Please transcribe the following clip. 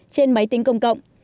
trên máy tính công cộng